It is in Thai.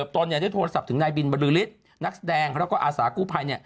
ตนได้โทรศัพท์ถึงนายบินบริษฐ์นักแสดงแล้วก็อาสากู้ภัย